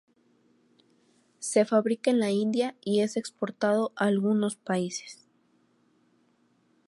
Se fabrica en la India y es exportado a algunos países.